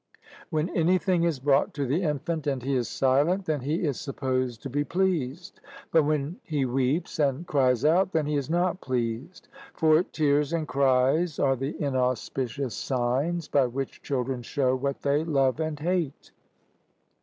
when anything is brought to the infant and he is silent, then he is supposed to be pleased, but, when he weeps and cries out, then he is not pleased. For tears and cries are the inauspicious signs by which children show what they love and hate.